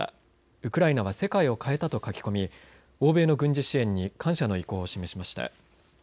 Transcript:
ウクライナは世界を変えたと書き込み、欧米の軍事支援に感謝の意向を示しました。